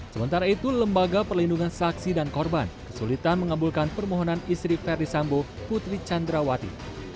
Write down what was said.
sementara itu lembaga perlindungan saksi dan korban kesulitan mengabulkan permohonan istri verdi sambo putri candrawati